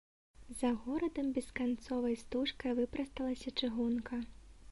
За горадам бесканцовай стужкай выпрасталася чыгунка.